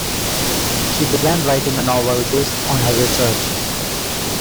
She began writing a novel based on her research.